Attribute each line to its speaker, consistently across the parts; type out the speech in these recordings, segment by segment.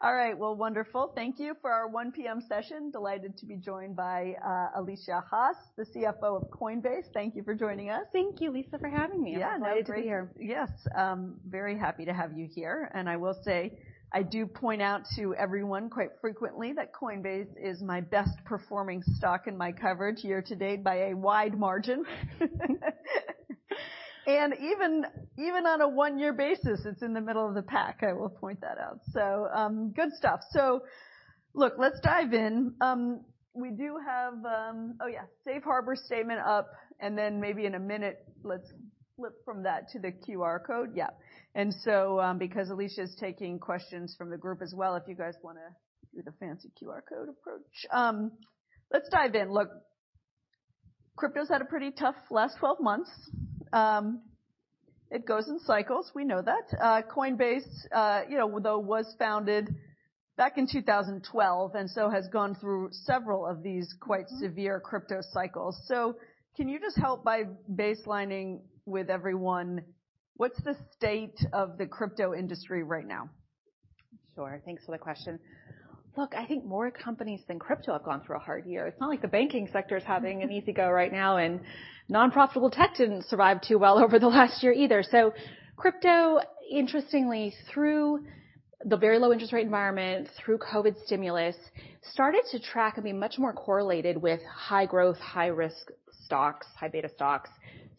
Speaker 1: All right. Well, wonderful. Thank you for our 1:00 P.M. session. Delighted to be joined by, Alesia Haas, the CFO of Coinbase. Thank you for joining us.
Speaker 2: Thank you, Lisa, for having me.
Speaker 1: Yeah. No, great.
Speaker 2: Delighted to be here.
Speaker 1: Yes. Very happy to have you here. I will say, I do point out to everyone quite frequently that Coinbase is my best performing stock in my coverage year-to-date by a wide margin. Even on a one-year basis, it's in the middle of the pack, I will point that out. Good stuff. Look, let's dive in. We do have Oh, yeah, safe harbor statement up, maybe in a minute, let's flip from that to the QR code. Yeah. Because Alesia is taking questions from the group as well, if you guys wanna do the fancy QR code approach. Let's dive in. Look, crypto's had a pretty tough last 12 months. It goes in cycles. We know that. Coinbase, you know, though, was founded back in 2012, has gone through several of these quite severe crypto cycles. Can you just help by baselining with everyone, what's the state of the crypto industry right now?
Speaker 2: Sure. Thanks for the question. Look, I think more companies than crypto have gone through a hard year. It's not like the banking sector is having an easy go right now, and non-profitable tech didn't survive too well over the last year either. Crypto, interestingly, through the very low interest rate environment, through COVID stimulus, started to track and be much more correlated with high growth, high risk stocks, high beta stocks,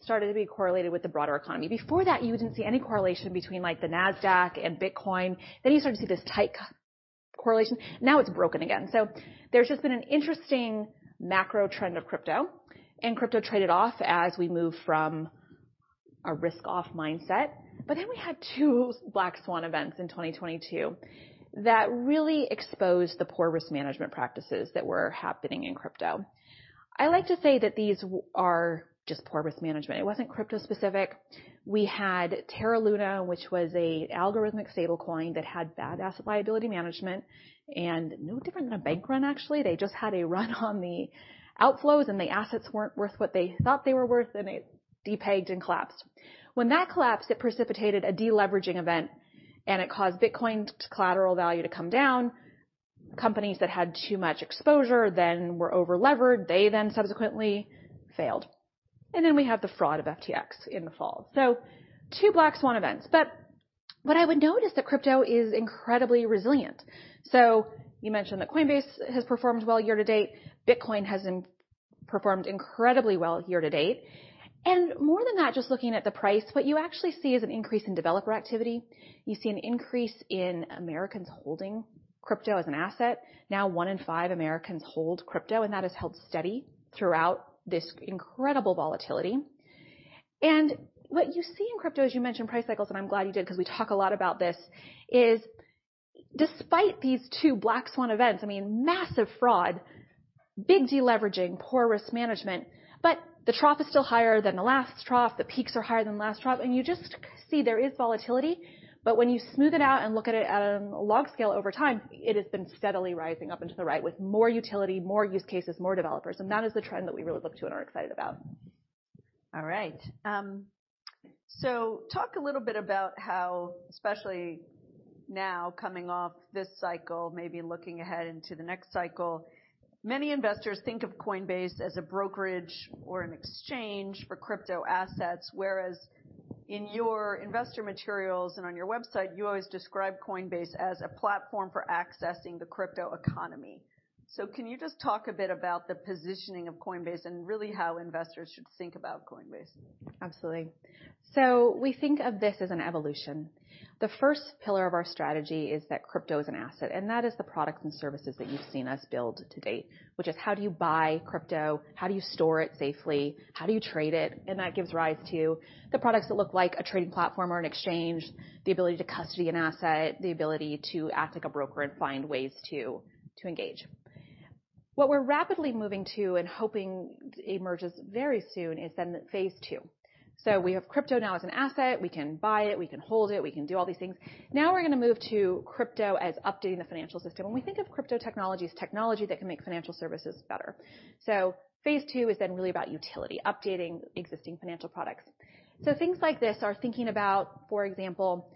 Speaker 2: started to be correlated with the broader economy. Before that, you wouldn't see any correlation between, like, the Nasdaq and Bitcoin. You started to see this tight correlation. Now it's broken again. There's just been an interesting macro trend of crypto, and crypto traded off as we move from a risk-off mindset. We had two black swan events in 2022 that really exposed the poor risk management practices that were happening in crypto. I like to say that these are just poor risk management. It wasn't crypto-specific. We had Terra LUNA, which was a algorithmic stablecoin that had bad asset liability management, and no different than a bank run, actually. They just had a run on the outflows, and the assets weren't worth what they thought they were worth, and it depegged and collapsed. When that collapsed, it precipitated a deleveraging event, and it caused Bitcoin collateral value to come down. Companies that had too much exposure then were over-levered, they then subsequently failed. We have the fraud of FTX in the fall. So two black swan events. What I would note is that crypto is incredibly resilient. You mentioned that Coinbase has performed well year to date. Bitcoin has performed incredibly well year to date. More than that, just looking at the price, what you actually see is an increase in developer activity. You see an increase in Americans holding crypto as an asset. Now, one in five Americans hold crypto, and that has held steady throughout this incredible volatility. What you see in crypto, as you mentioned, price cycles, and I'm glad you did 'cause we talk a lot about this, is despite these two black swan events, I mean, massive fraud, big deleveraging, poor risk management, but the trough is still higher than the last trough. The peaks are higher than the last trough. You just see there is volatility, but when you smooth it out and look at it at a long scale over time, it has been steadily rising up into the right with more utility, more use cases, more developers. That is the trend that we really look to and are excited about.
Speaker 1: All right. Talk a little bit about how, especially now coming off this cycle, maybe looking ahead into the next cycle, many investors think of Coinbase as a brokerage or an exchange for crypto assets, whereas in your investor materials and on your website, you always describe Coinbase as a platform for accessing the crypto economy. Can you just talk a bit about the positioning of Coinbase and really how investors should think about Coinbase?
Speaker 2: Absolutely. We think of this as an evolution. The first pillar of our strategy is that crypto is an asset, and that is the products and services that you've seen us build to date, which is: How do you buy crypto? How do you store it safely? How do you trade it? That gives rise to the products that look like a trading platform or an exchange, the ability to custody an asset, the ability to act like a broker and find ways to engage. What we're rapidly moving to and hoping emerges very soon is phase two. We have crypto now as an asset. We can buy it. We can hold it. We can do all these things. We're gonna move to crypto as updating the financial system. We think of crypto technology as technology that can make financial services better. Phase two is then really about utility, updating existing financial products. Things like this are thinking about, for example,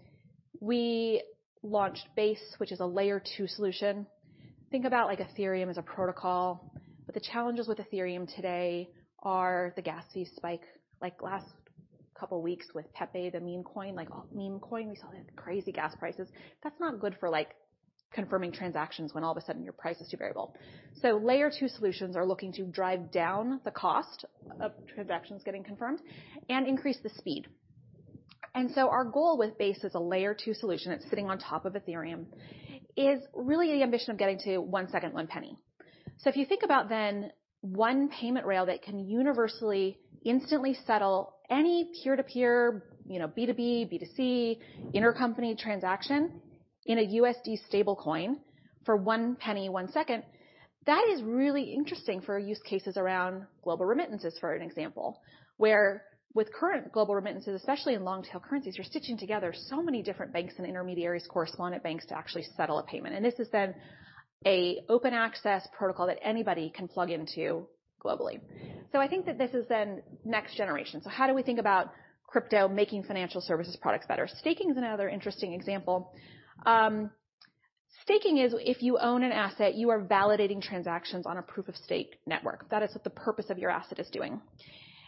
Speaker 2: we launched Base, which is a Layer 2 solution. Think about, like, Ethereum as a protocol. The challenges with Ethereum today are the gas fee spike. Like, last couple weeks with Pepe, the meme coin, we saw, like, crazy gas prices. That's not good for, like, confirming transactions when all of a sudden your price is too variable. Layer 2 solutions are looking to drive down the cost of transactions getting confirmed and increase the speed. Our goal with Base as a Layer 2 solution, it's sitting on top of Ethereum, is really the ambition of getting to one second, $0.01. If you think about one payment rail that can universally, instantly settle any peer-to-peer, you know, B2B, B2C, intercompany transaction in a USD stablecoin for $0.01, one second, that is really interesting for use cases around global remittances, for an example, where with current global remittances, especially in long tail currencies, you're stitching together so many different banks and intermediaries, correspondent banks to actually settle a payment. This is an open access protocol that anybody can plug into globally. I think that this is next generation. How do we think about crypto making financial services products better? Staking is another interesting example. Staking is if you own an asset, you are validating transactions on a proof-of-stake network. That is what the purpose of your asset is doing.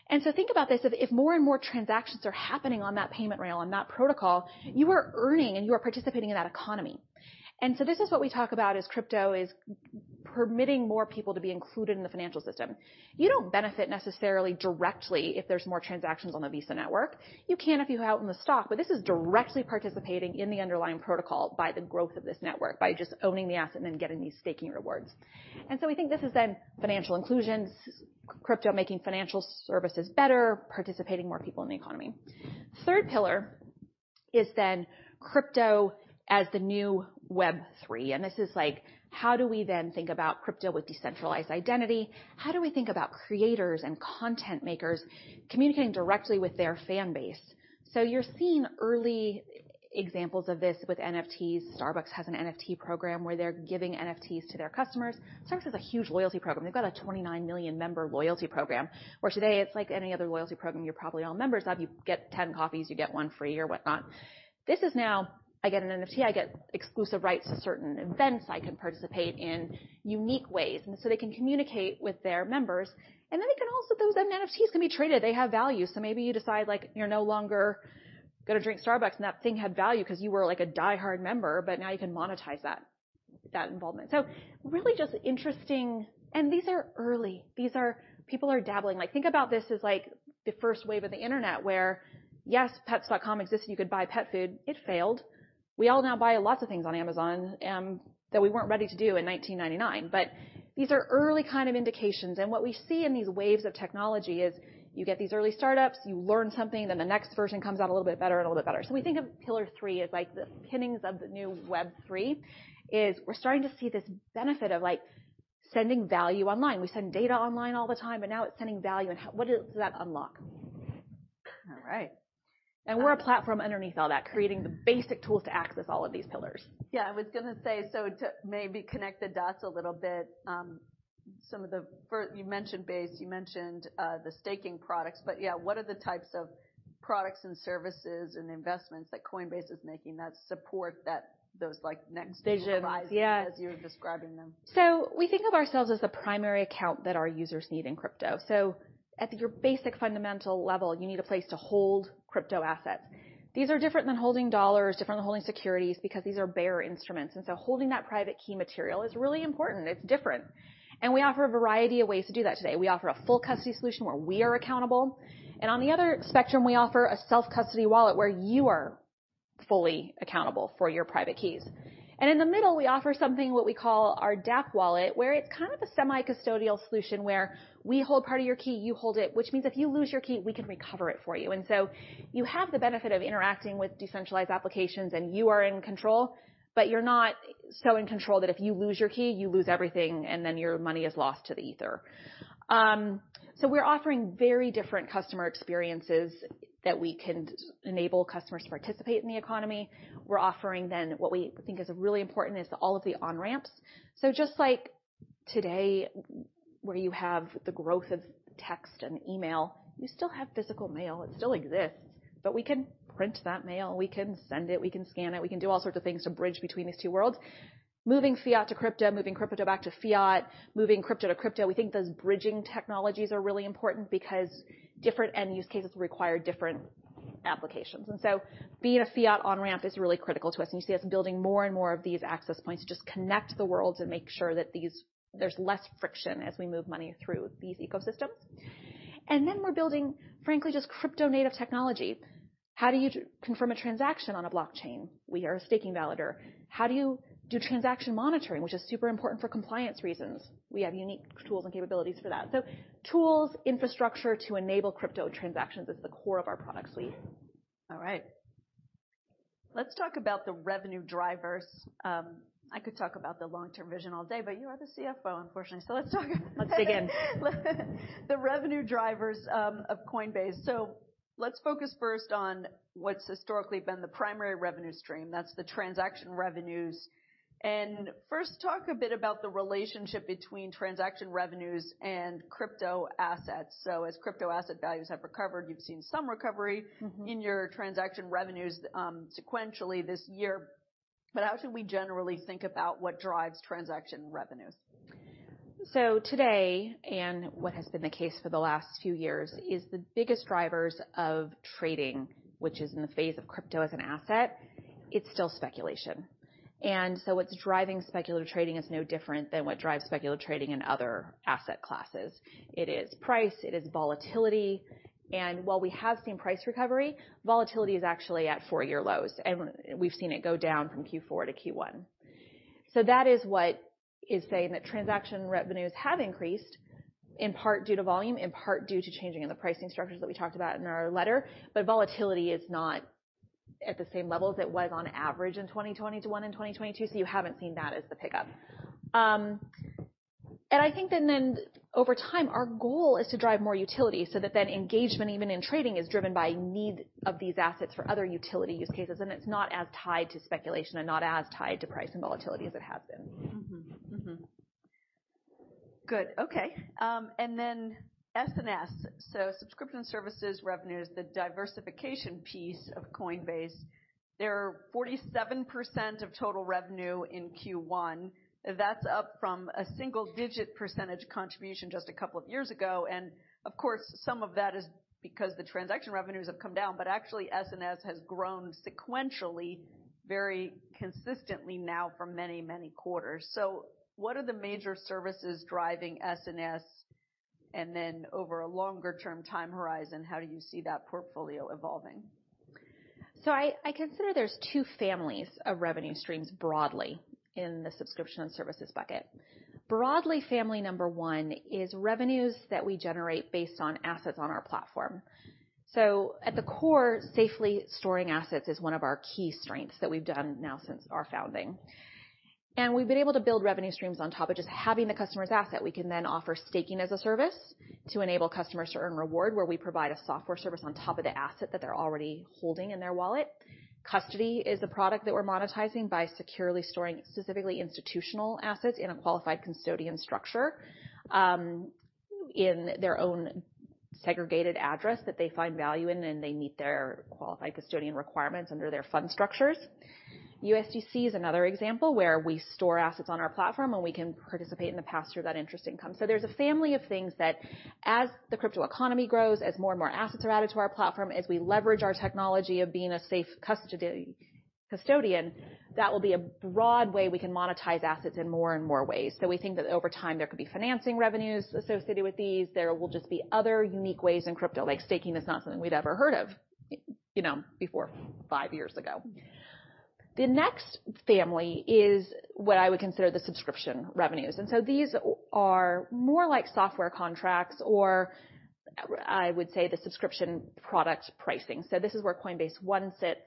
Speaker 2: Think about this, if more and more transactions are happening on that payment rail, on that protocol, you are earning and you are participating in that economy. This is what we talk about is crypto is permitting more people to be included in the financial system. You don't benefit necessarily directly if there's more transactions on the Visa network. You can if you own the stock, this is directly participating in the underlying protocol by the growth of this network, by just owning the asset and then getting these staking rewards. We think this is then financial inclusions, crypto making financial services better, participating more people in the economy. Third pillar is crypto as the new Web3, this is like how do we then think about crypto with decentralized identity? How do we think about creators and content makers communicating directly with their fan base? You're seeing early examples of this with NFTs. Starbucks has an NFT program where they're giving NFTs to their customers. Starbucks has a huge loyalty program. They've got a 29 million member loyalty program, where today it's like any other loyalty program you're probably all members of. You get 10 coffees, you get one free or whatnot. This is now I get an NFT, I get exclusive rights to certain events. I can participate in unique ways, they can communicate with their members. Those NFTs can be traded, they have value. Maybe you decide like you're no longer gonna drink Starbucks, and that thing had value because you were like a diehard member, but now you can monetize that involvement. Really just interesting. These are people are dabbling. Like, think about this as like the first wave of the internet, where, yes, Pets.com exists, you could buy pet food. It failed. We all now buy lots of things on Amazon that we weren't ready to do in 1999. These are early kind of indications. What we see in these waves of technology is you get these early startups, you learn something, then the next version comes out a little bit better and a little bit better. We think of pillar three as like the pinnings of the new Web3, is we're starting to see this benefit of like sending value online. We send data online all the time, but now it's sending value. What does that unlock? All right. We're a platform underneath all that, creating the basic tools to access all of these pillars.
Speaker 1: Yeah, I was gonna say. To maybe connect the dots a little bit, some of the you mentioned Base, you mentioned the staking products, yeah, what are the types of products and services and investments that Coinbase is making that support that, those like next horizon...
Speaker 2: Visions, yeah.
Speaker 1: as you're describing them.
Speaker 2: We think of ourselves as the primary account that our users need in crypto. At your basic fundamental level, you need a place to hold crypto assets. These are different than holding dollars, different than holding securities, because these are bearer instruments, and so holding that private key material is really important. It's different. We offer a variety of ways to do that today. We offer a full custody solution where we are accountable. On the other spectrum, we offer a self-custody wallet where you are fully accountable for your private keys. In the middle, we offer something what we call our dapp wallet, where it's kind of a semi-custodial solution where we hold part of your key, you hold it, which means if you lose your key, we can recover it for you. You have the benefit of interacting with decentralized applications, and you are in control, but you're not so in control that if you lose your key, you lose everything and then your money is lost to the ether. We're offering very different customer experiences that we can enable customers to participate in the economy. We're offering then what we think is really important is all of the on-ramps. Just like today, where you have the growth of text and email, you still have physical mail. It still exists, but we can print that mail, we can send it, we can scan it, we can do all sorts of things to bridge between these two worlds. Moving fiat to crypto, moving crypto back to fiat, moving crypto to crypto. We think those bridging technologies are really important because different end use cases require different applications. Being a fiat on-ramp is really critical to us, and you see us building more and more of these access points to just connect the worlds and make sure that there's less friction as we move money through these ecosystems. Then we're building, frankly, just crypto-native technology. How do you confirm a transaction on a blockchain? We are a staking validator. How do you do transaction monitoring, which is super important for compliance reasons? We have unique tools and capabilities for that. Tools, infrastructure to enable crypto transactions is the core of our product suite.
Speaker 1: All right. Let's talk about the revenue drivers. I could talk about the long-term vision all day, but you are the CFO, unfortunately. Let's talk
Speaker 2: Let's dig in.
Speaker 1: The revenue drivers of Coinbase. Let's focus first on what's historically been the primary revenue stream, that's the transaction revenues. First talk a bit about the relationship between transaction revenues and crypto assets. As crypto asset values have recovered, you've seen some.
Speaker 2: Mm-hmm.
Speaker 1: in your transaction revenues, sequentially this year. How should we generally think about what drives transaction revenues?
Speaker 2: Today, and what has been the case for the last few years, is the biggest drivers of trading, which is in the phase of crypto as an asset, it's still speculation. What's driving speculative trading is no different than what drives speculative trading in other asset classes. It is price, it is volatility, and while we have seen price recovery, volatility is actually at four-year lows. We've seen it go down from Q4 to Q1. That is what is saying that transaction revenues have increased in part due to volume, in part due to changing in the pricing structures that we talked about in our letter. Volatility is not at the same level as it was on average in 2021 in 2022. You haven't seen that as the pickup. I think then over time, our goal is to drive more utility so that then engagement, even in trading, is driven by need of these assets for other utility use cases, and it's not as tied to speculation and not as tied to price and volatility as it has been.
Speaker 1: Mm-hmm. Mm-hmm. Good. Okay. Then S&S. Subscription services revenues, the diversification piece of Coinbase. They're 47% of total revenue in Q1. That's up from a single-digit % contribution just a couple of years ago, of course, some of that is because the transaction revenues have come down, but actually S&S has grown sequentially very consistently now for many, many quarters. What are the major services driving S&S? Then over a longer-term time horizon, how do you see that portfolio evolving?
Speaker 2: I consider there's two families of revenue streams broadly in the Subscription and Services bucket. Broadly, family number one is revenues that we generate based on assets on our platform. At the core, safely storing assets is one of our key strengths that we've done now since our founding. We've been able to build revenue streams on top of just having the customer's asset. We can then offer staking as a service to enable customers to earn reward, where we provide a software service on top of the asset that they're already holding in their wallet. Custody is the product that we're monetizing by securely storing specifically institutional assets in a qualified custodian structure, in their own segregated address that they find value in, and they meet their qualified custodian requirements under their fund structures. USDC is another example where we store assets on our platform, and we can participate in the pass-through of that interest income. There's a family of things that as the crypto economy grows, as more and more assets are added to our platform, as we leverage our technology of being a safe custodian, that will be a broad way we can monetize assets in more and more ways. We think that over time, there could be financing revenues associated with these. There will just be other unique ways in crypto, like staking is not something we'd ever heard of, you know, before 5 years ago. The next family is what I would consider the subscription revenues. These are more like software contracts or I would say the subscription product pricing. This is where Coinbase One sits.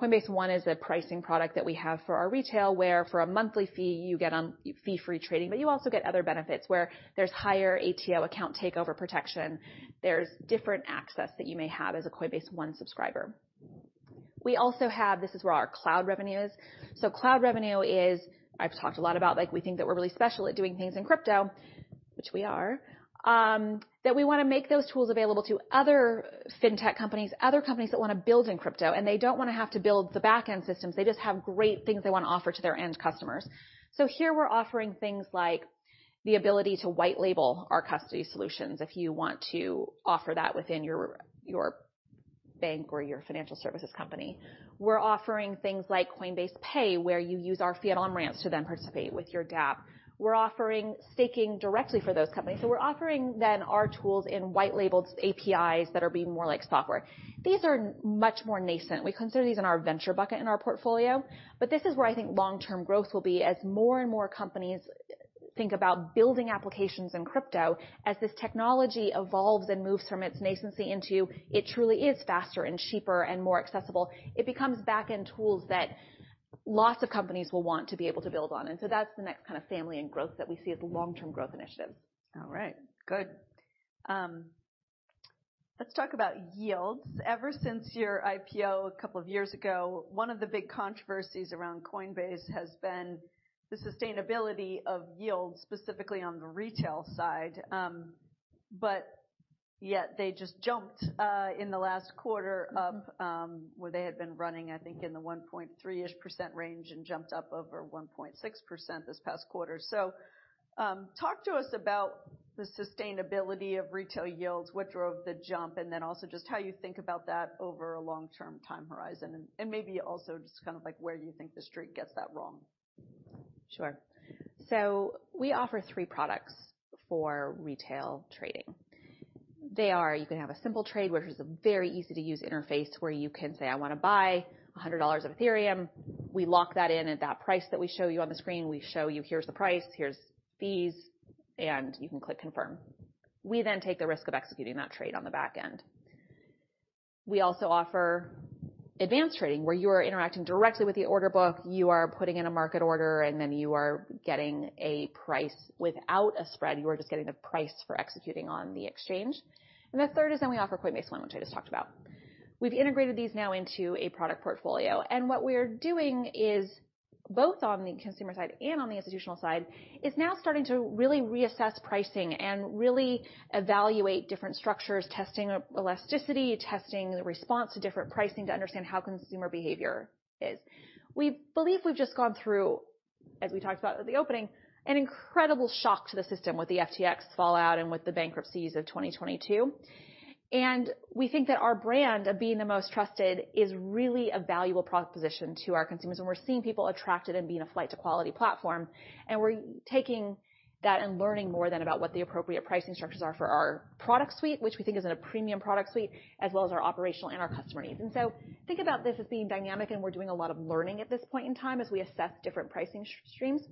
Speaker 2: Coinbase One is a pricing product that we have for our retail, where for a monthly fee, you get fee-free trading, but you also get other benefits where there's higher ATO, account takeover protection. There's different access that you may have as a Coinbase One subscriber. We also have this is where our cloud revenue is. Cloud revenue is, I've talked a lot about, like, we think that we're really special at doing things in crypto, which we are, that we wanna make those tools available to other fintech companies, other companies that wanna build in crypto, and they don't wanna have to build the back-end systems. They just have great things they wanna offer to their end customers. Here we're offering things like the ability to white-label our custody solutions if you want to offer that within your bank or your financial services company. We're offering things like Coinbase Pay, where you use our fiat on-ramps to then participate with your dapp. We're offering staking directly for those companies. We're offering then our tools in white-labeled APIs that are being more like software. These are much more nascent. We consider these in our venture bucket in our portfolio, but this is where I think long-term growth will be as more and more companies think about building applications in crypto. As this technology evolves and moves from its nascency into it truly is faster and cheaper and more accessible, it becomes back-end tools that lots of companies will want to be able to build on, and so that's the next kind of family and growth that we see as long-term growth initiatives.
Speaker 1: All right. Good. let's talk about yields. Ever since your IPO a couple of years ago, one of the big controversies around Coinbase has been the sustainability of yields, specifically on the retail side. Yet they just jumped in the last quarter of where they had been running, I think in the 1.3%-ish range and jumped up over 1.6% this past quarter. Talk to us about the sustainability of retail yields, what drove the jump, and then also just how you think about that over a long-term time horizon, and maybe also just kind of like where you think the street gets that wrong?
Speaker 2: We offer three products for retail trading. You can have a Simple Trade, which is a very easy-to-use interface where you can say, "I want to buy $100 of Ethereum." We lock that in at that price that we show you on the screen. We show you, "Here's the price, here's fees," and you can click Confirm. We then take the risk of executing that trade on the back end. We also offer Advanced Trade, where you are interacting directly with the order book, you are putting in a market order, and then you are getting a price without a spread. You are just getting the price for executing on the exchange. The third is then we offer Coinbase One, which I just talked about. We've integrated these now into a product portfolio. What we are doing is, both on the consumer side and on the institutional side, is now starting to really reassess pricing and really evaluate different structures, testing elasticity, testing the response to different pricing to understand how consumer behavior is. We believe we've just gone through, as we talked about at the opening, an incredible shock to the system with the FTX fallout and with the bankruptcies of 2022. We think that our brand of being the most trusted is really a valuable proposition to our consumers, and we're seeing people attracted and being a flight to quality platform, and we're taking that and learning more than about what the appropriate pricing structures are for our product suite, which we think is in a premium product suite, as well as our operational and our customer needs. Think about this as being dynamic, and we're doing a lot of learning at this point in time as we assess different pricing streams.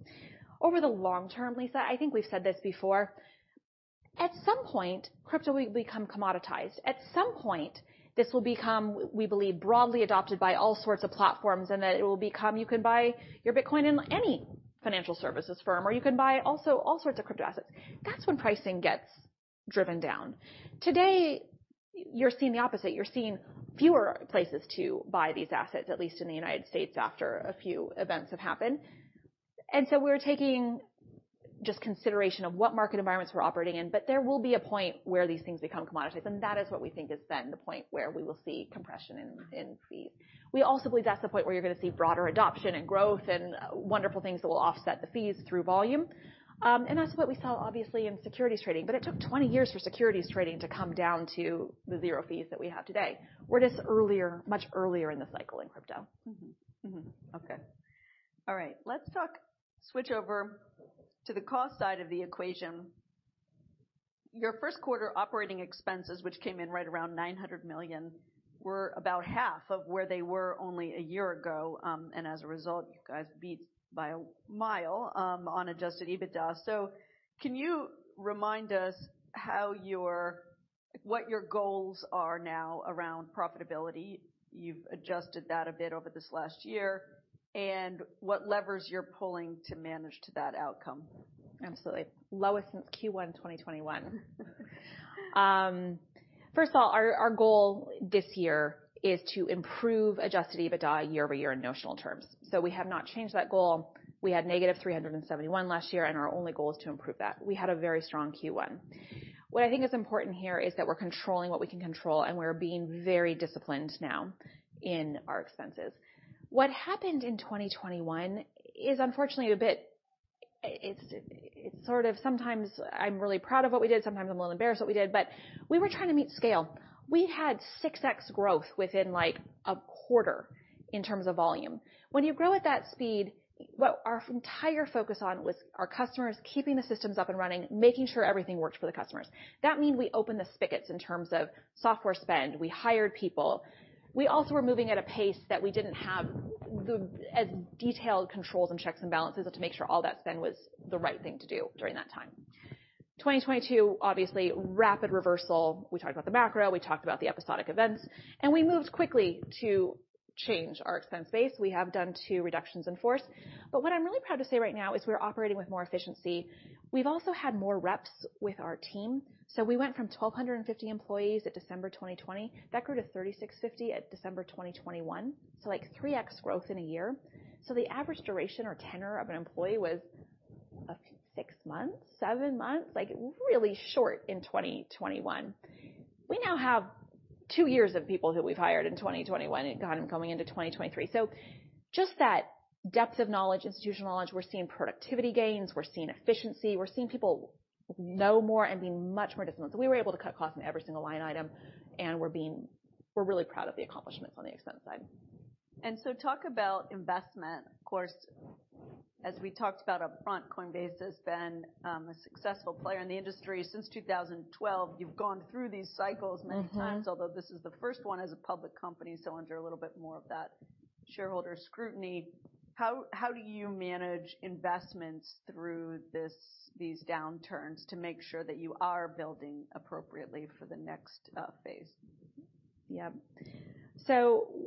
Speaker 2: Over the long term, Lisa, I think we've said this before. At some point, crypto will become commoditized. At some point, this will become, we believe, broadly adopted by all sorts of platforms, and that it will become you can buy your Bitcoin in any financial services firm, or you can buy all sorts of crypto assets. That's when pricing gets driven down. Today, you're seeing the opposite. You're seeing fewer places to buy these assets, at least in the United States, after a few events have happened. We're taking just consideration of what market environments we're operating in, but there will be a point where these things become commoditized, and that is what we think is then the point where we will see compression in fees. We also believe that's the point where you're gonna see broader adoption and growth and wonderful things that will offset the fees through volume. That's what we saw, obviously, in securities trading. It took 20 years for securities trading to come down to the zero fees that we have today. We're just earlier, much earlier in the cycle in crypto.
Speaker 1: Mm-hmm. Mm-hmm. Okay. All right. Let's switch over to the cost side of the equation. Your first quarter operating expenses, which came in right around $900 million, were about half of where they were only a year ago. As a result, you guys beat by a mile on adjusted EBITDA. Can you remind us what your goals are now around profitability? You've adjusted that a bit over this last year. What levers you're pulling to manage to that outcome.
Speaker 2: Absolutely. Lowest since Q1 2021. First of all, our goal this year is to improve adjusted EBITDA year-over-year in notional terms. We have not changed that goal. We had -$371 last year, and our only goal is to improve that. We had a very strong Q1. What I think is important here is that we're controlling what we can control, and we're being very disciplined now in our expenses. What happened in 2021 is unfortunately a bit. It's sort of sometimes I'm really proud of what we did, sometimes I'm a little embarrassed what we did, but we were trying to meet scale. We had 6x growth within, like, a quarter in terms of volume. When you grow at that speed, what our entire focus on was our customers, keeping the systems up and running, making sure everything worked for the customers. That means we opened the spigots in terms of software spend. We hired people. We also were moving at a pace that we didn't have as detailed controls and checks and balances to make sure all that spend was the right thing to do during that time. 2022, obviously rapid reversal. We talked about the macro, we talked about the episodic events, we moved quickly to change our expense base. We have done two reductions in force. What I'm really proud to say right now is we're operating with more efficiency. We've also had more reps with our team. We went from 1,250 employees at December 2020. That grew to 3,650 at December 2021. like 3x growth in a year. The average duration or tenure of an employee was six months, seven months, like really short in 2021. We now have two years of people who we've hired in 2021 and got them coming into 2023. just that depth of knowledge, institutional knowledge, we're seeing productivity gains, we're seeing efficiency, we're seeing people know more and be much more disciplined. We were able to cut costs in every single line item, and we're really proud of the accomplishments on the expense side.
Speaker 1: Talk about investment. Of course, as we talked about upfront, Coinbase has been a successful player in the industry since 2012. You've gone through these cycles many times.
Speaker 2: Mm-hmm.
Speaker 1: Although this is the first one as a public company, so under a little bit more of that shareholder scrutiny. How do you manage investments through these downturns to make sure that you are building appropriately for the next phase?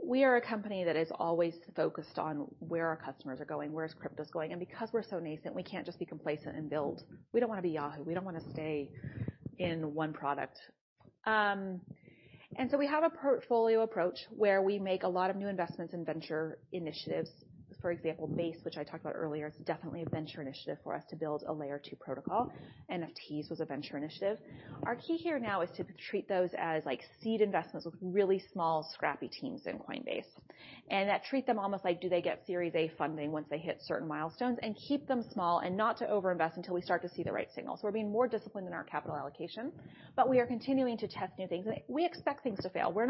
Speaker 2: We are a company that is always focused on where our customers are going, where is cryptos going. Because we're so nascent, we can't just be complacent and build. We don't wanna be Yahoo! We don't wanna stay in one product. We have a portfolio approach where we make a lot of new investments in venture initiatives. For example, Base, which I talked about earlier, is definitely a venture initiative for us to build a Layer 2 protocol. NFTs was a venture initiative. Our key here now is to treat those as like seed investments with really small, scrappy teams in Coinbase. Then treat them almost like, do they get Series A funding once they hit certain milestones, and keep them small and not to over-invest until we start to see the right signals. We're being more disciplined in our capital allocation, but we are continuing to test new things. We expect things to fail. We're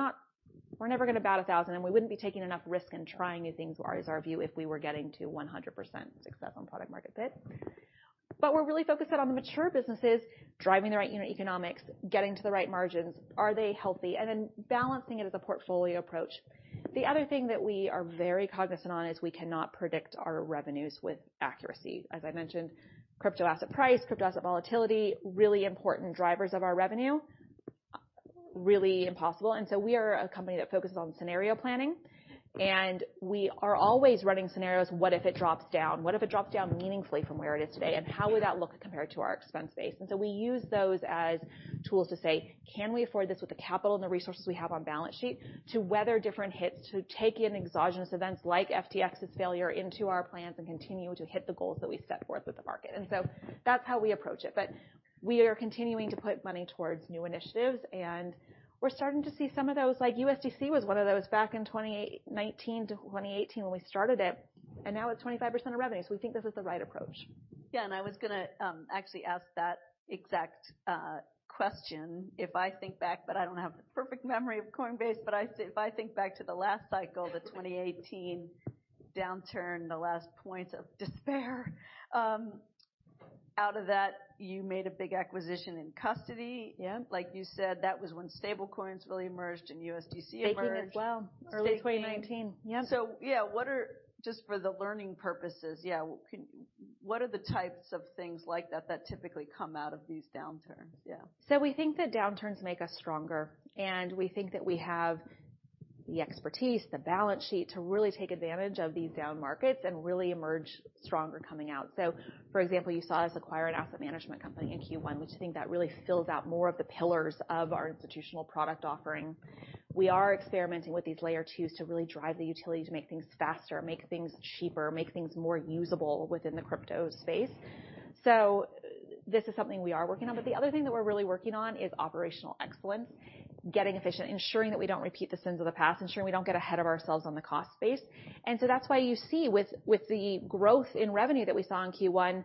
Speaker 2: never gonna bat a thousand, and we wouldn't be taking enough risk in trying new things, is our view, if we were getting to 100% success on product market fit. We're really focused in on the mature businesses, driving the right unit economics, getting to the right margins, are they healthy, and then balancing it as a portfolio approach. The other thing that we are very cognizant on is we cannot predict our revenues with accuracy. As I mentioned, crypto asset price, crypto asset volatility, really important drivers of our revenue, really impossible. We are a company that focuses on scenario planning, and we are always running scenarios, what if it drops down? What if it drops down meaningfully from where it is today, and how would that look compared to our expense base? We use those as tools to say, can we afford this with the capital and the resources we have on balance sheet to weather different hits, to take in exogenous events like FTX's failure into our plans and continue to hit the goals that we set forth with the market. That's how we approach it. We are continuing to put money towards new initiatives, and we're starting to see some of those, like USDC was one of those back in 2018 when we started it, and now it's 25% of revenue. We think this is the right approach.
Speaker 1: Yeah, I was gonna actually ask that exact question. If I think back, but I don't have the perfect memory of Coinbase, but if I think back to the last cycle, the 2018 downturn, the last point of despair, out of that, you made a big acquisition in custody.
Speaker 2: Yeah.
Speaker 1: Like you said, that was when stablecoins really emerged and USDC emerged.
Speaker 2: Staking as well.
Speaker 1: Staking.
Speaker 2: Early 2019. Yeah.
Speaker 1: Yeah, just for the learning purposes, yeah, what are the types of things like that that typically come out of these downturns? Yeah.
Speaker 2: We think that downturns make us stronger, and we think that we have the expertise, the balance sheet to really take advantage of these down markets and really emerge stronger coming out. For example, you saw us acquire an asset management company in Q1, which I think that really fills out more of the pillars of our institutional product offering. We are experimenting with these Layer 2s to really drive the utility to make things faster, make things cheaper, make things more usable within the crypto space. This is something we are working on. The other thing that we're really working on is operational excellence, getting efficient, ensuring that we don't repeat the sins of the past, ensuring we don't get ahead of ourselves on the cost space. That's why you see with the growth in revenue that we saw in Q1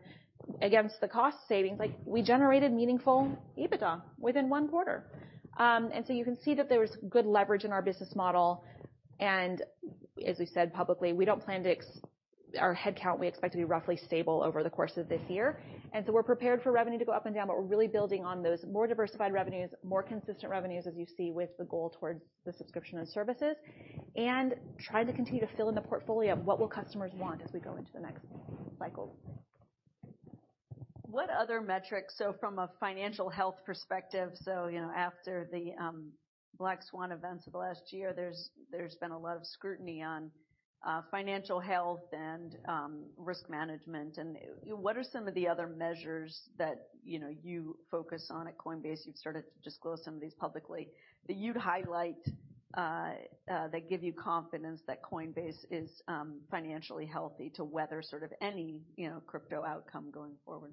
Speaker 2: against the cost savings, we generated meaningful EBITDA within one quarter. You can see that there's good leverage in our business model, and as we said publicly, we don't plan our headcount, we expect to be roughly stable over the course of this year. We're prepared for revenue to go up and down, but we're really building on those more diversified revenues, more consistent revenues as you see with the goal towards the Subscription and Services, and trying to continue to fill in the portfolio of what will customers want as we go into the next cycle.
Speaker 1: What other metrics, so from a financial health perspective, so, you know, after the black swan events of the last year, there's been a lot of scrutiny on financial health and risk management, what are some of the other measures that, you know, you focus on at Coinbase, you've started to disclose some of these publicly, that you'd highlight that give you confidence that Coinbase is financially healthy to weather sort of any, you know, crypto outcome going forward?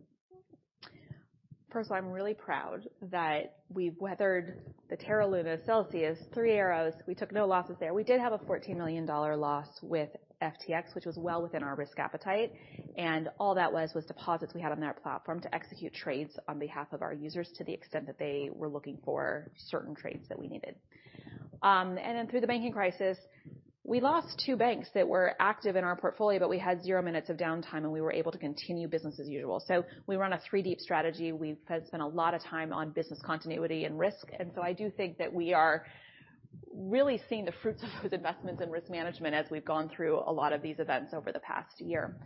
Speaker 2: First of all, I'm really proud that we've weathered the Terra LUNA, Celsius, Three Arrows. We took no losses there. We did have a $14 million loss with FTX, which was well within our risk appetite. All that was deposits we had on their platform to execute trades on behalf of our users to the extent that they were looking for certain trades that we needed. Then through the banking crisis, we lost two banks that were active in our portfolio, but we had zero minutes of downtime, and we were able to continue business as usual. We run a three-deep strategy. We've had spent a lot of time on business continuity and risk. I do think that we are really seeing the fruits of those investments in risk management as we've gone through a lot of these events over the past year.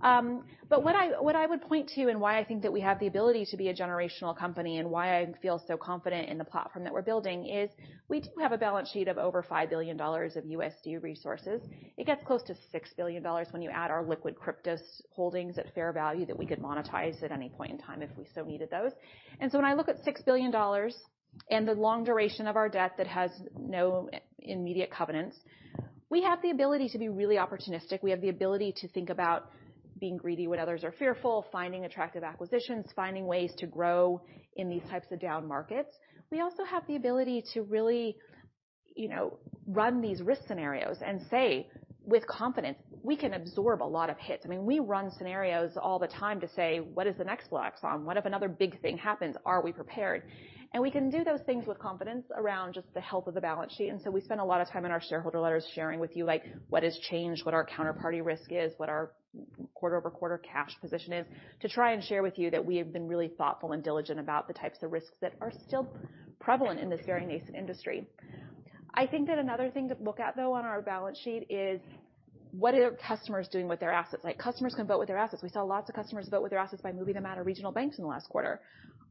Speaker 2: What I would point to and why I think that we have the ability to be a generational company and why I feel so confident in the platform that we're building is we do have a balance sheet of over $5 billion of USD resources. It gets close to $6 billion when you add our liquid cryptos holdings at fair value that we could monetize at any point in time if we so needed those. When I look at $6 billion and the long duration of our debt that has no immediate covenants, we have the ability to be really opportunistic. We have the ability to think about being greedy when others are fearful, finding attractive acquisitions, finding ways to grow in these types of down markets. We also have the ability to really, you know, run these risk scenarios and say with confidence, we can absorb a lot of hits. I mean, we run scenarios all the time to say, what is the next black swan? What if another big thing happens? Are we prepared? We can do those things with confidence around just the health of the balance sheet. We spend a lot of time in our shareholder letters sharing with you, like what has changed, what our counterparty risk is, what our quarter-over-quarter cash position is, to try and share with you that we have been really thoughtful and diligent about the types of risks that are still prevalent in this very nascent industry. I think that another thing to look at, though, on our balance sheet is what are customers doing with their assets? Like, customers can vote with their assets. We saw lots of customers vote with their assets by moving them out of regional banks in the last quarter.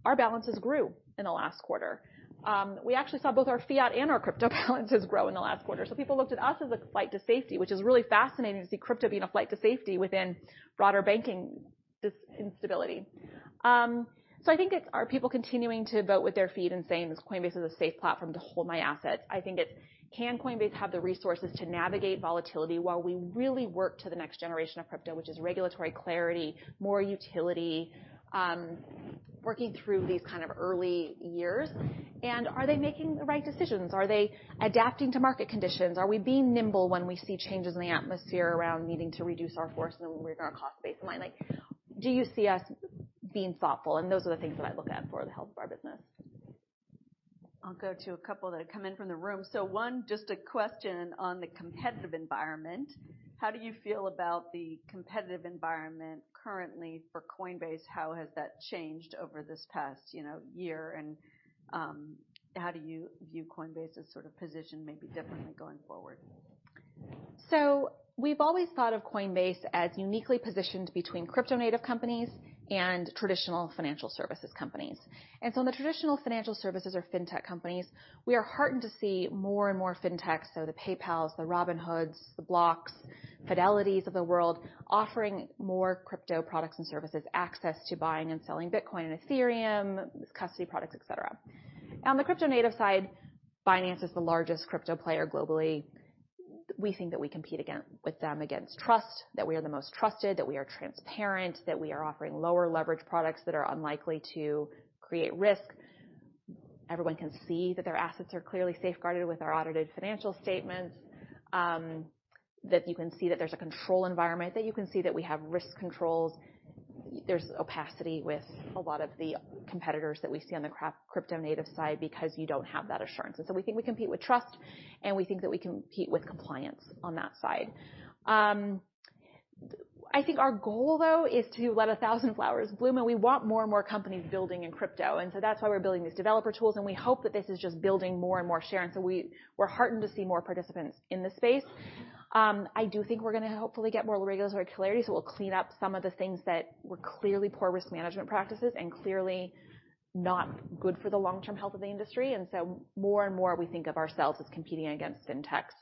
Speaker 2: Our balances grew in the last quarter. We actually saw both our fiat and our crypto balances grow in the last quarter. People looked at us as a flight to safety, which is really fascinating to see crypto being a flight to safety within broader banking instability. I think it's are people continuing to vote with their feet and saying, is Coinbase a safe platform to hold my assets? I think it's can Coinbase have the resources to navigate volatility while we really work to the next generation of crypto, which is regulatory clarity, more utility, working through these kind of early years. Are they making the right decisions? Are they adapting to market conditions? Are we being nimble when we see changes in the atmosphere around needing to reduce our force and then we're going to cost base in mind? Like, do you see us being thoughtful? Those are the things that I look at for the health of our business.
Speaker 1: I'll go to a couple that have come in from the room. Just a question on the competitive environment. How do you feel about the competitive environment currently for Coinbase? How has that changed over this past, you know, year? How do you view Coinbase's sort of position maybe differently going forward?
Speaker 2: We've always thought of Coinbase as uniquely positioned between crypto-native companies and traditional financial services companies. In the traditional financial services or fintech companies, we are heartened to see more and more fintech, so the PayPal, the Robinhood, the Block, Fidelity of the world, offering more crypto products and services, access to buying and selling Bitcoin and Ethereum, custody products, et cetera. On the crypto-native side, Binance is the largest crypto player globally. We think that we compete with them against trust, that we are the most trusted, that we are transparent, that we are offering lower leverage products that are unlikely to create risk. Everyone can see that their assets are clearly safeguarded with our audited financial statements, that you can see that there's a control environment, that you can see that we have risk controls. There's opacity with a lot of the competitors that we see on the crypto-native side because you don't have that assurance. We think we compete with trust, and we think that we compete with compliance on that side. I think our goal, though, is to let 1,000 flowers bloom, and we want more and more companies building in crypto. That's why we're building these developer tools, and we hope that this is just building more and more sharing. We're heartened to see more participants in this space. I do think we're gonna hopefully get more regulatory clarity, so we'll clean up some of the things that were clearly poor risk management practices and clearly not good for the long-term health of the industry. More and more, we think of ourselves as competing against fintechs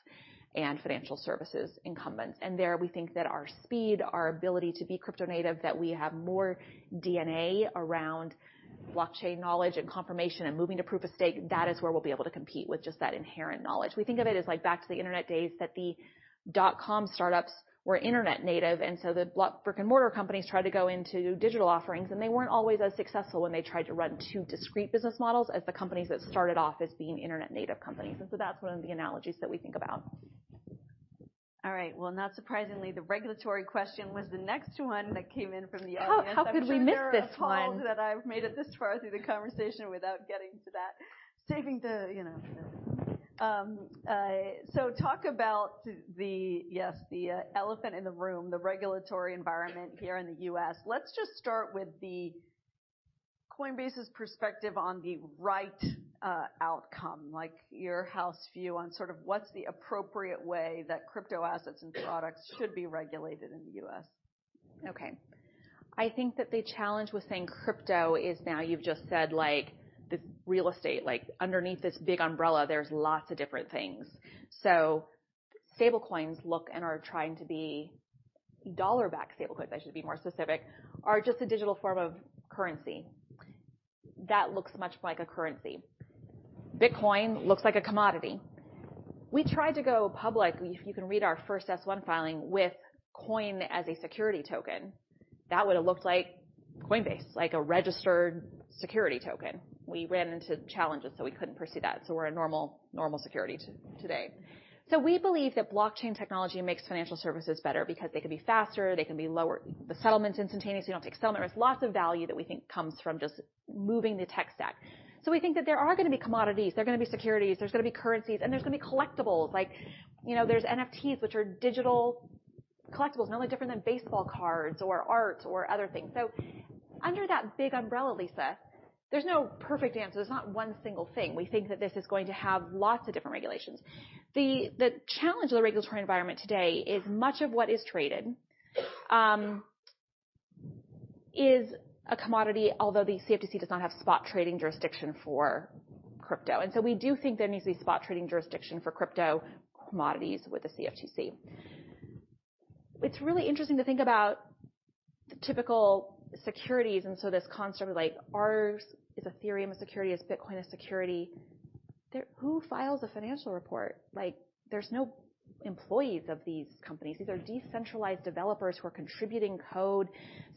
Speaker 2: and financial services incumbents. There we think that our speed, our ability to be crypto native, that we have more DNA around blockchain knowledge and confirmation and moving to proof of stake, that is where we'll be able to compete with just that inherent knowledge. We think of it as like back to the internet days, that the dot-com startups were internet-native. The brick-and-mortar companies tried to go into digital offerings. They weren't always as successful when they tried to run two discrete business models as the companies that started off as being internet-native companies. That's one of the analogies that we think about.
Speaker 1: All right. Well, not surprisingly, the regulatory question was the next one that came in from the audience.
Speaker 2: Oh, how could we miss this one?
Speaker 1: I'm sure appalled that I've made it this far through the conversation without getting to that. Saving the, you know, the. Talk about the, yes, the elephant in the room, the regulatory environment here in the U.S. Let's just start with the Coinbase's perspective on the right outcome, like your house view on sort of what's the appropriate way that crypto assets and products should be regulated in the U.S.
Speaker 2: I think that the challenge with saying crypto is now you've just said like this real estate, like underneath this big umbrella, there's lots of different things. Stablecoins look and are trying to be dollar-backed stablecoins, I should be more specific, are just a digital form of currency that looks much like a currency. Bitcoin looks like a commodity. We tried to go public, if you can read our first S-1 filing with COIN as a security token, that would have looked like Coinbase, like a registered security token. We ran into challenges, so we couldn't pursue that. We're a normal security today. We believe that blockchain technology makes financial services better because they can be faster, they can be lower, the settlement's instantaneous. You don't take settlement risk. Lots of value that we think comes from just moving the tech stack. We think that there are gonna be commodities, there are gonna be securities, there's gonna be currencies, and there's gonna be collectibles. Like, you know, there's NFTs, which are digital collectibles, no different than baseball cards or art or other things. Under that big umbrella, Lisa, there's no perfect answer. There's not one single thing. We think that this is going to have lots of different regulations. The challenge of the regulatory environment today is much of what is traded is a commodity, although the CFTC does not have spot trading jurisdiction for crypto. We do think there needs to be spot trading jurisdiction for crypto commodities with the CFTC. It's really interesting to think about the typical securities, this concept of like, ours is Ethereum a security, is Bitcoin a security? Who files a financial report? Like, there's no employees of these companies. These are decentralized developers who are contributing code.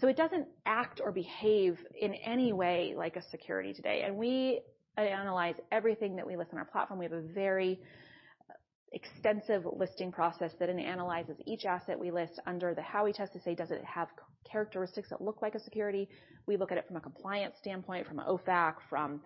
Speaker 2: It doesn't act or behave in any way like a security today. We analyze everything that we list on our platform. We have a very extensive listing process that then analyzes each asset we list under the Howey Test to say, does it have characteristics that look like a security? We look at it from a compliance standpoint, from OFAC, from,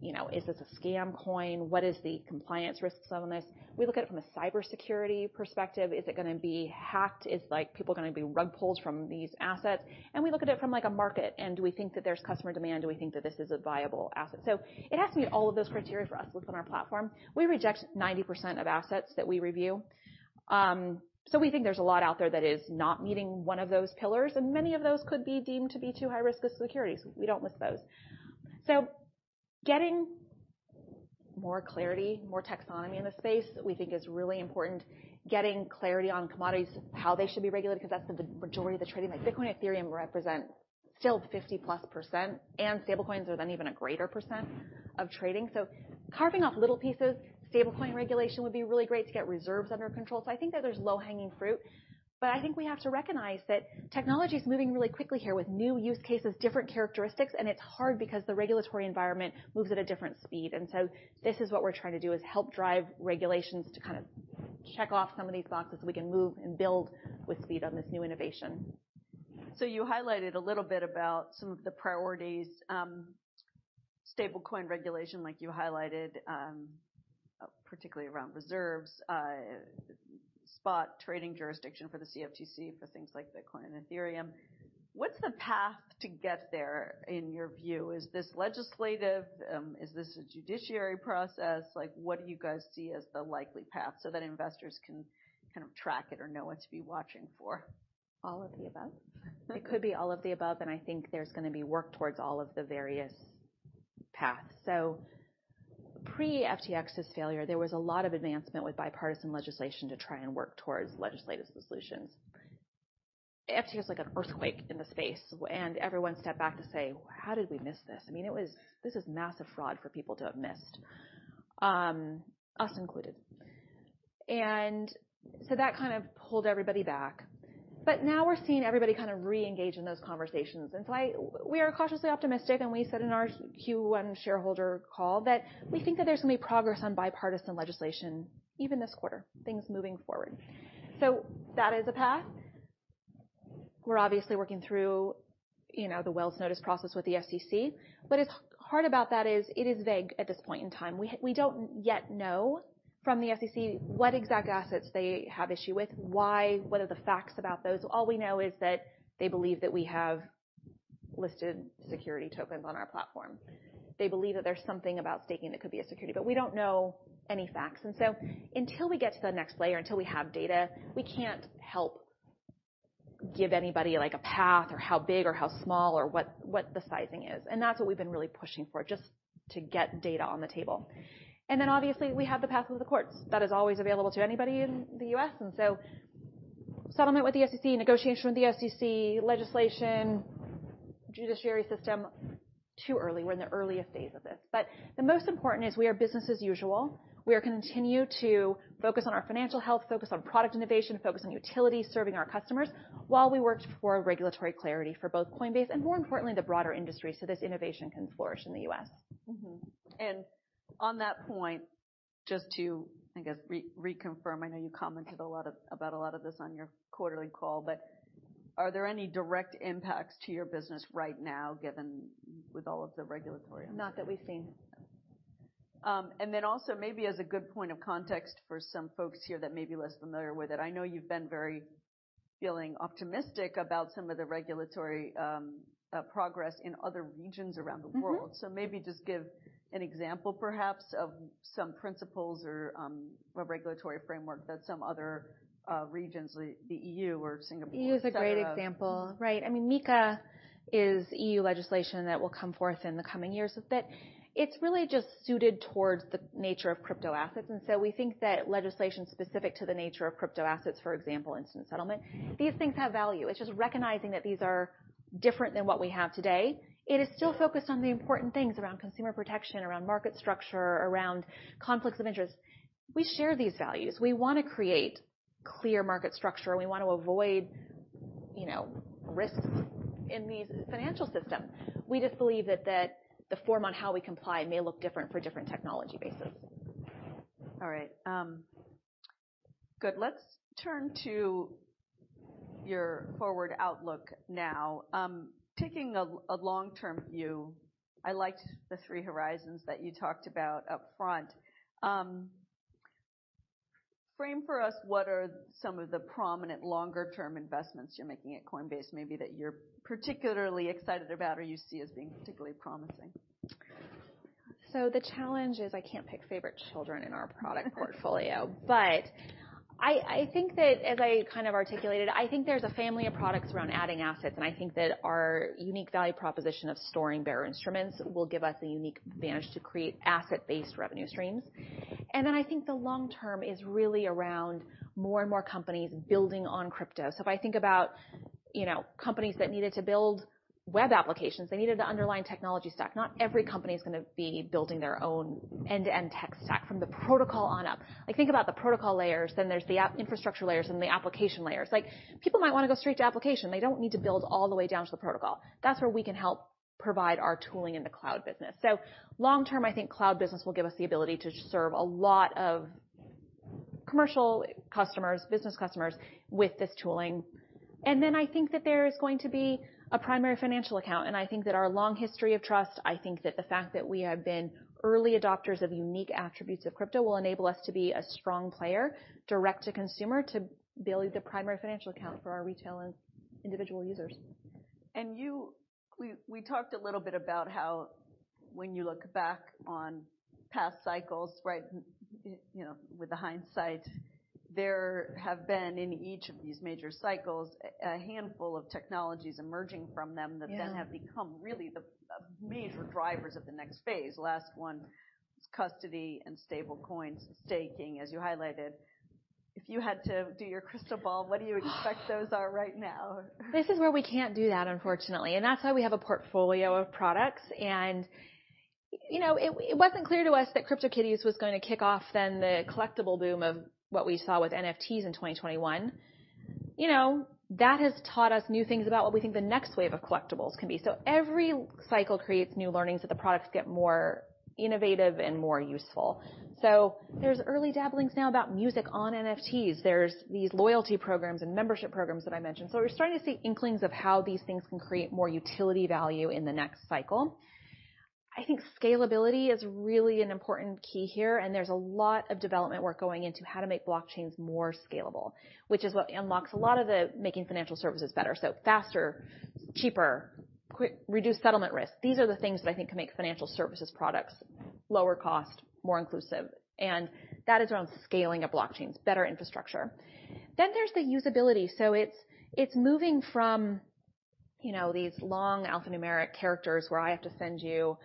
Speaker 2: you know, is this a scam coin? What is the compliance risks on this? We look at it from a cybersecurity perspective. Is it gonna be hacked? Is like people gonna be rug pulls from these assets? We look at it from like a market, and do we think that there's customer demand? Do we think that this is a viable asset? It has to meet all of those criteria for us to list on our platform. We reject 90% of assets that we review. We think there's a lot out there that is not meeting one of those pillars, and many of those could be deemed to be too high-risk as securities. We don't list those. Getting more clarity, more taxonomy in the space, we think is really important. Getting clarity on commodities, how they should be regulated, 'cause that's the majority of the trading. Like Bitcoin and Ethereum represent still 50%+, and stablecoins are then even a greater % of trading. Carving off little pieces, stablecoin regulation would be really great to get reserves under control. I think that there's low-hanging fruit, but I think we have to recognize that technology is moving really quickly here with new use cases, different characteristics, and it's hard because the regulatory environment moves at a different speed. This is what we're trying to do, is help drive regulations to kind of check off some of these boxes so we can move and build with speed on this new innovation.
Speaker 1: You highlighted a little bit about some of the priorities, stablecoin regulation, like you highlighted, particularly around reserves, spot trading jurisdiction for the CFTC for things like Bitcoin and Ethereum. What's the path to get there in your view? Is this legislative? Is this a judiciary process? Like, what do you guys see as the likely path so that investors can kind of track it or know what to be watching for?
Speaker 2: All of the above. It could be all of the above, I think there's gonna be work towards all of the various paths. Pre-FTX's failure, there was a lot of advancement with bipartisan legislation to try and work towards legislative solutions. FTX was like an earthquake in the space and everyone stepped back to say, "How did we miss this?" I mean, this is massive fraud for people to have missed, us included. That kind of pulled everybody back, but now we're seeing everybody kind of re-engage in those conversations. We are cautiously optimistic, and we said in our Q1 shareholder call that we think that there's gonna be progress on bipartisan legislation, even this quarter, things moving forward. That is a path. We're obviously working through, you know, the Wells notice process with the SEC. It's hard about that is it is vague at this point in time. We don't yet know from the SEC what exact assets they have issue with, why, what are the facts about those. All we know is that they believe that we have listed security tokens on our platform. They believe that there's something about staking that could be a security. We don't know any facts. Until we get to the next layer, until we have data, we can't help give anybody like a path or how big or how small or what the sizing is. That's what we've been really pushing for, just to get data on the table. Obviously, we have the path of the courts. That is always available to anybody in the U.S. Settlement with the SEC, negotiation with the SEC, legislation, judiciary system, too early. We're in the earliest phase of this. The most important is we are business as usual. We are continue to focus on our financial health, focus on product innovation, focus on utility, serving our customers, while we work for regulatory clarity for both Coinbase and, more importantly, the broader industry, so this innovation can flourish in the U.S.
Speaker 1: Mm-hmm. On that point, just to, I guess, reconfirm, I know you commented about a lot of this on your quarterly call, but are there any direct impacts to your business right now, given with all of the regulatory uncertainty?
Speaker 2: Not that we've seen.
Speaker 1: Also maybe as a good point of context for some folks here that may be less familiar with it, I know you've been very feeling optimistic about some of the regulatory progress in other regions around the world.
Speaker 2: Mm-hmm.
Speaker 1: Maybe just give an example perhaps of some principles or, a regulatory framework that some other regions, the EU or Singapore, et cetera.
Speaker 2: EU is a great example, right? I mean, MiCA is EU legislation that will come forth in the coming years. It's really just suited towards the nature of crypto assets. We think that legislation specific to the nature of crypto assets, for example, instant settlement, these things have value. It's just recognizing that these are different than what we have today. It is still focused on the important things around consumer protection, around market structure, around conflicts of interest. We share these values. We wanna create clear market structure, and we want to avoid, you know, risks in the financial system. We just believe that the form on how we comply may look different for different technology bases.
Speaker 1: All right. Good. Let's turn to your forward outlook now. Taking a long-term view, I liked the three horizons that you talked about up front. Frame for us what are some of the prominent longer-term investments you're making at Coinbase, maybe that you're particularly excited about or you see as being particularly promising?
Speaker 2: The challenge is I can't pick favorite children in our product portfolio. I think that as I kind of articulated, I think there's a family of products around adding assets, and I think that our unique value proposition of storing bearer instruments will give us a unique advantage to create asset-based revenue streams. Then I think the long term is really around more and more companies building on crypto. If I think about, you know, companies that needed to build web applications, they needed the underlying technology stack. Not every company is gonna be building their own end-to-end tech stack from the protocol on up. Like, think about the protocol layers, then there's the app infrastructure layers, and the application layers. Like, people might wanna go straight to application. They don't need to build all the way down to the protocol. That's where we can help provide our tooling in the cloud business. Long term, I think cloud business will give us the ability to serve a lot of commercial customers, business customers with this tooling. I think that there is going to be a primary financial account, and I think that our long history of trust, I think that the fact that we have been early adopters of unique attributes of crypto will enable us to be a strong player, direct to consumer, to build the primary financial account for our retail and individual users.
Speaker 1: We talked a little bit about how when you look back on past cycles, right? You know, with the hindsight, there have been, in each of these major cycles, a handful of technologies emerging from them.
Speaker 2: Yeah.
Speaker 1: -that then have become really the major drivers of the next phase. Last one was custody and stablecoins, staking, as you highlighted. If you had to do your crystal ball, what do you expect those are right now?
Speaker 2: This is where we can't do that, unfortunately. That's why we have a portfolio of products. You know, it wasn't clear to us that CryptoKitties was gonna kick off then the collectible boom of what we saw with NFTs in 2021. You know, that has taught us new things about what we think the next wave of collectibles can be. Every cycle creates new learnings, so the products get more innovative and more useful. There's early dabblings now about music on NFTs. There's these loyalty programs and membership programs that I mentioned. We're starting to see inklings of how these things can create more utility value in the next cycle. I think scalability is really an important key here, and there's a lot of development work going into how to make blockchains more scalable, which is what unlocks a lot of the making financial services better. Faster, cheaper, reduce settlement risk. These are the things that I think can make financial services products lower cost, more inclusive, and that is around scaling of blockchains, better infrastructure. There's the usability. It's, it's moving from, you know, these long alphanumeric characters where I have to send you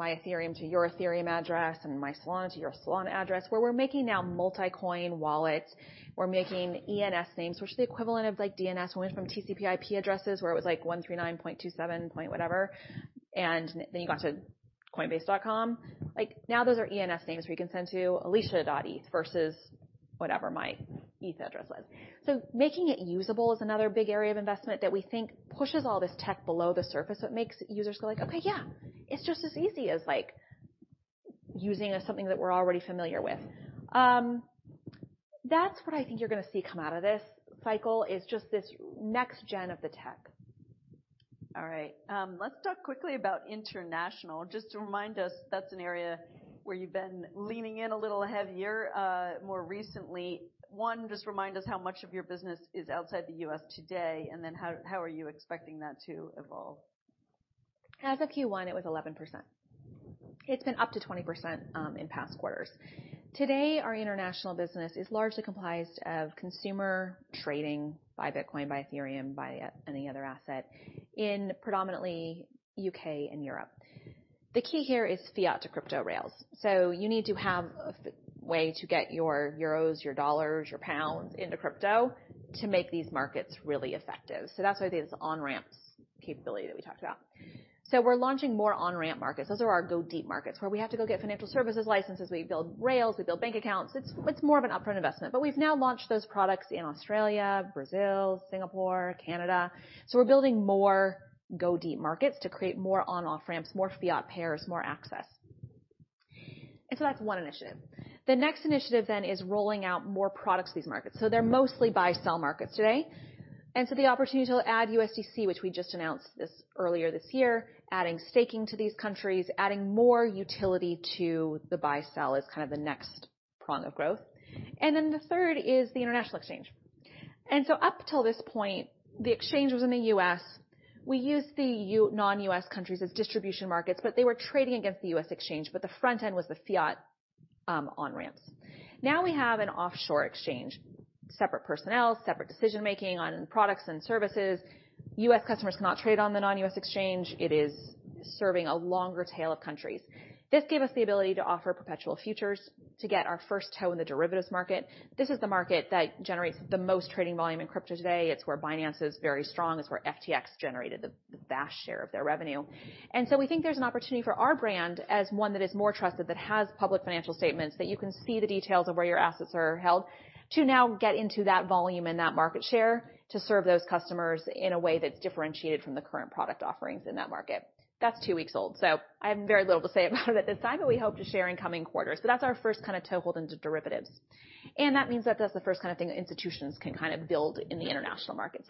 Speaker 2: my Ethereum to your Ethereum address and my Solana to your Solana address, where we're making now multi-coin wallets. We're making ENS names, which is the equivalent of like DNS, went from TCP/IP addresses where it was like 139.27.whatever, and then you got to coinbase.com. Like, now those are ENS names where you can send to alesia.eth versus whatever my eth address was. Making it usable is another big area of investment that we think pushes all this tech below the surface. It makes users go like, "Okay, yeah. It's just as easy as like using something that we're already familiar with." That's what I think you're gonna see come out of this cycle, is just this next gen of the tech.
Speaker 1: All right. let's talk quickly about international. Just to remind us, that's an area where you've been leaning in a little heavier, more recently. One, just remind us how much of your business is outside the U.S. today, and then how are you expecting that to evolve?
Speaker 2: As of Q1, it was 11%. It's been up to 20% in past quarters. Today, our international business is largely comprised of consumer trading by Bitcoin, by Ethereum, by any other asset in predominantly U.K. and Europe. The key here is fiat-to-crypto rails. You need to have a way to get your euros, your dollars, your pounds into crypto to make these markets really effective. That's why there's on-ramps capability that we talked about. We're launching more on-ramp markets. Those are our go-deep markets, where we have to go get financial services licenses. We build rails, we build bank accounts. It's more of an upfront investment, but we've now launched those products in Australia, Brazil, Singapore, Canada. We're building more go-deep markets to create more on/off ramps, more fiat pairs, more access. That's one initiative. The next initiative is rolling out more products to these markets. They're mostly buy/sell markets today. The opportunity to add USDC, which we just announced this earlier this year, adding staking to these countries, adding more utility to the buy/sell is kind of the next prong of growth. The third is the international exchange. Up till this point, the exchange was in the U.S. We used the non-U.S. countries as distribution markets, but they were trading against the U.S. exchange, but the front end was the fiat on-ramps. Now we have an offshore exchange, separate personnel, separate decision-making on products and services. U.S. customers cannot trade on the non-U.S. exchange. It is serving a longer tail of countries. This gave us the ability to offer perpetual futures to get our first toe in the derivatives market. This is the market that generates the most trading volume in crypto today. It's where Binance is very strong. It's where FTX generated the vast share of their revenue. We think there's an opportunity for our brand as one that is more trusted, that has public financial statements, that you can see the details of where your assets are held, to now get into that volume and that market share to serve those customers in a way that's differentiated from the current product offerings in that market. That's two weeks old, I have very little to say about it at this time, we hope to share in coming quarters. That's our first kind of toehold into derivatives. That means that that's the first kind of thing that institutions can kind of build in the international market.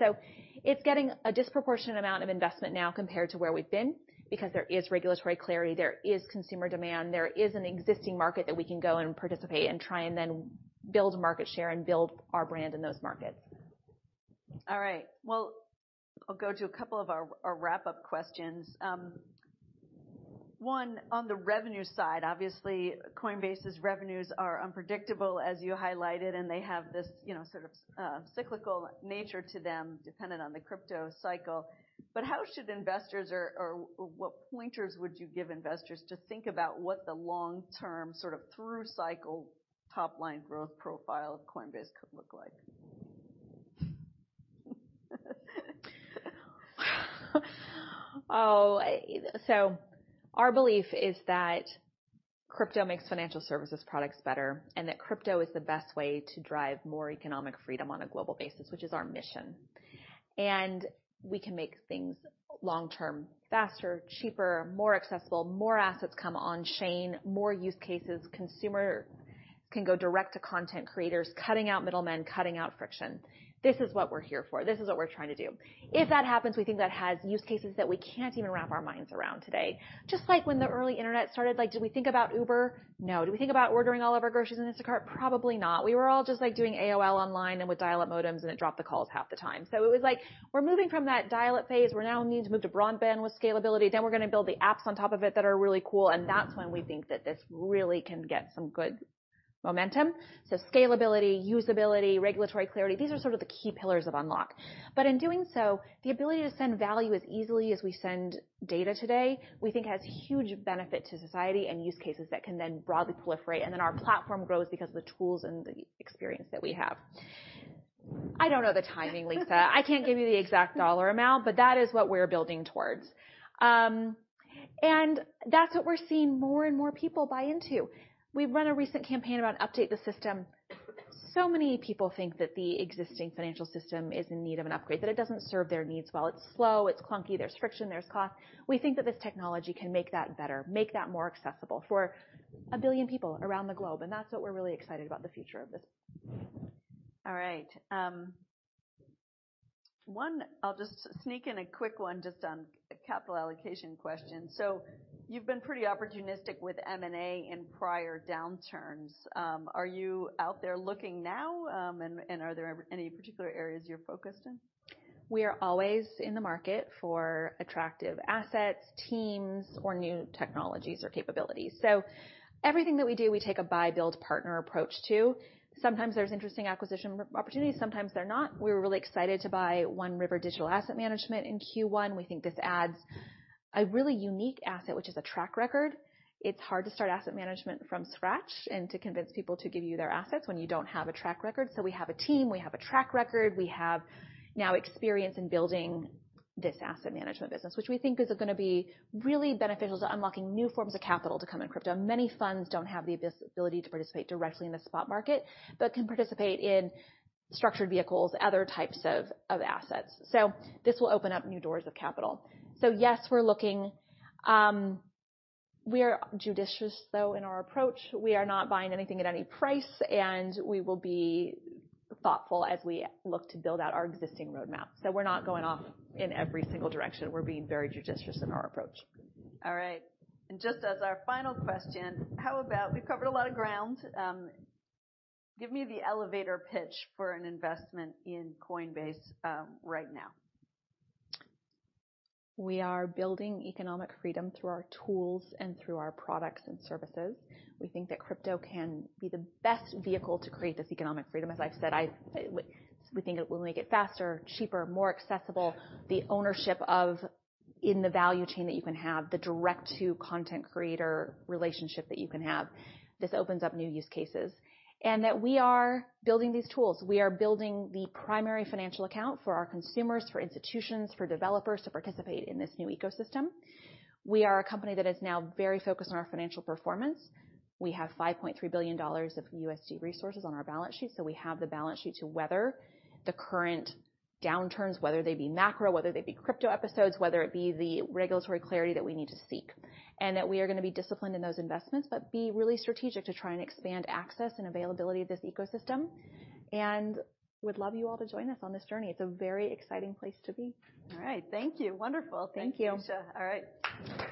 Speaker 2: It's getting a disproportionate amount of investment now compared to where we've been because there is regulatory clarity, there is consumer demand, there is an existing market that we can go and participate and try and then build market share and build our brand in those markets.
Speaker 1: All right. Well, I'll go to a couple of our wrap-up questions. One, on the revenue side, obviously, Coinbase's revenues are unpredictable as you highlighted, and they have this, you know, sort of, cyclical nature to them dependent on the crypto cycle. How should investors or, what pointers would you give investors to think about what the long-term, sort of throug-cycle top-line growth profile of Coinbase could look like?
Speaker 2: Our belief is that crypto makes financial services products better, and that crypto is the best way to drive more economic freedom on a global basis, which is our mission. We can make things long-term faster, cheaper, more accessible, more assets come on-chain, more use cases. Consumer can go direct to content creators, cutting out middlemen, cutting out friction. This is what we're here for. This is what we're trying to do. If that happens, we think that has use cases that we can't even wrap our minds around today. Just like when the early internet started, like, did we think about Uber? No. Do we think about ordering all of our groceries in Instacart? Probably not. We were all just, like, doing AOL online and with dial-up modems, and it dropped the calls half the time. It was like we're moving from that dial-up phase. We now need to move to broadband with scalability. We're gonna build the apps on top of it that are really cool, and that's when we think that this really can get some good momentum. Scalability, usability, regulatory clarity, these are sort of the key pillars of Unlock. In doing so, the ability to send value as easily as we send data today, we think has huge benefit to society and use cases that can then broadly proliferate, and then our platform grows because of the tools and the experience that we have. I don't know the timing, Lisa. I can't give you the exact dollar amount, but that is what we're building towards. That's what we're seeing more and more people buy into. We've run a recent campaign around update the system. Many people think that the existing financial system is in need of an upgrade, that it doesn't serve their needs well. It's slow, it's clunky, there's friction, there's cost. We think that this technology can make that better, make that more accessible for 1 billion people around the globe, and that's what we're really excited about the future of this.
Speaker 1: All right. one, I'll just sneak in a quick one just on capital allocation question. You've been pretty opportunistic with M&A in prior downturns. Are you out there looking now, and are there any particular areas you're focused in?
Speaker 2: We are always in the market for attractive assets, teams, or new technologies or capabilities. Everything that we do, we take a buy, build, partner approach to. Sometimes there's interesting acquisition opportunities, sometimes they're not. We're really excited to buy One River Digital Asset Management in Q1. We think this adds a really unique asset, which is a track record. It's hard to start asset management from scratch and to convince people to give you their assets when you don't have a track record. We have a team, we have a track record, we have now experience in building this asset management business, which we think is going to be really beneficial to unlocking new forms of capital to come in crypto. Many funds don't have the ability to participate directly in the spot market, but can participate in structured vehicles, other types of assets. This will open up new doors of capital. Yes, we're looking. We are judicious, though, in our approach. We are not buying anything at any price, and we will be thoughtful as we look to build out our existing roadmap. We're not going off in every single direction. We're being very judicious in our approach.
Speaker 1: All right. Just as our final question, we've covered a lot of ground. Give me the elevator pitch for an investment in Coinbase right now.
Speaker 2: We are building economic freedom through our tools and through our products and services. We think that crypto can be the best vehicle to create this economic freedom. As I've said, we think it will make it faster, cheaper, more accessible. The ownership of in the value chain that you can have, the direct-to-content creator relationship that you can have, this opens up new use cases. That we are building these tools. We are building the primary financial account for our consumers, for institutions, for developers to participate in this new ecosystem. We are a company that is now very focused on our financial performance. We have $5.3 billion of USD resources on our balance sheet, so we have the balance sheet to weather the current downturns, whether they be macro, whether they be crypto episodes, whether it be the regulatory clarity that we need to seek. That we are gonna be disciplined in those investments, but be really strategic to try and expand access and availability of this ecosystem. We'd love you all to join us on this journey. It's a very exciting place to be.
Speaker 1: All right. Thank you. Wonderful. Thank you.
Speaker 2: Thanks, Lisa.
Speaker 1: All right.